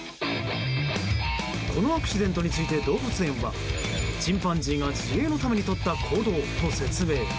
このアクシデントについて動物園はチンパンジーが自衛のためにとった行動と説明。